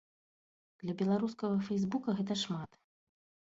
Для беларускага фэйсбука гэта шмат.